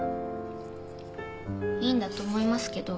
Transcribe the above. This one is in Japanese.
いいんだと思いますけど。